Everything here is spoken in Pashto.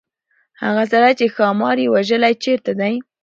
هغه سړی چې ښامار یې وژلی چيرته دی.